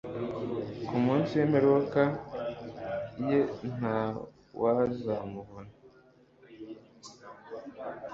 ku munsi w imperuka ye nta wuzamuvuna